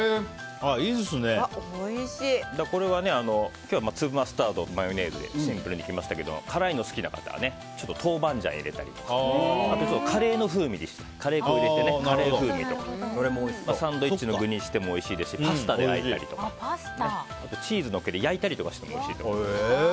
今日は粒マスタードとマヨネーズでシンプルにいきましたが辛いのが好きな方は豆板醤を入れたりあとはカレー粉を入れてカレーの風味であったりとかサンドイッチの具にしてもおいしいですしパスタであえたりとかチーズをのせて焼いたりしてもおいしいです。